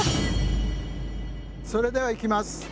それではいきます。